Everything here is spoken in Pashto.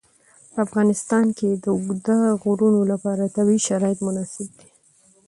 په افغانستان کې د اوږده غرونه لپاره طبیعي شرایط مناسب دي.